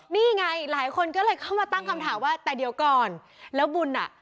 นี่ไงหลายคนก็เลยเข้ามาตั้งคำถามว่าแต่เดี๋ยวก่อนแล้วบุญอ่ะ